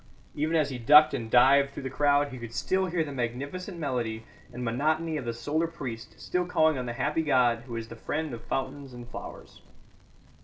Even as he ducked and dived through the crowd he could still hear the magnificent melody and monotony of the solar priest still calling on the happy god who is the friend of fountains and flowers.